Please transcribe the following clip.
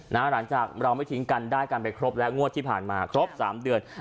หลังจากเราไม่ทิ้งกันได้กันไปครบและงวดที่ผ่านมาครบ๓เดือน